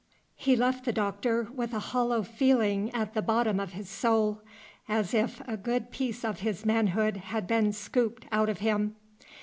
He left the Doctor with a hollow feeling at the bottom of his soul, as if a good piece of his manhood had been scooped out of him.